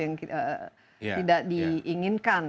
yang tidak diinginkan